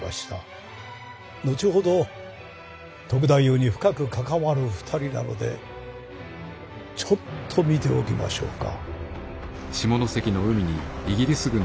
後ほど篤太夫に深く関わる２人なのでちょっと見ておきましょうか。